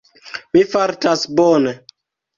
Mi fartas bone.